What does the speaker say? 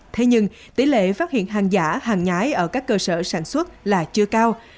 thế nhưng tỷ lệ phát hiện hàng giả hàng nhái ở các cơ sở sản xuất là chưa cao